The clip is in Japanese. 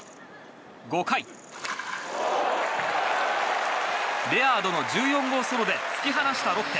５回、レアードの１４号ソロで突き放したロッテ。